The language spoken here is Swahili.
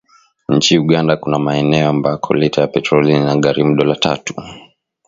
Nchini Uganda kuna maeneo ambako lita ya petroli inagharimu dola tatu